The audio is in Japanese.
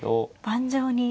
盤上に。